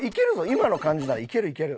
今の感じならいけるいける。